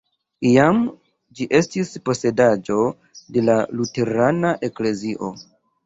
Iam ĝi estis posedaĵo de la luterana eklezio.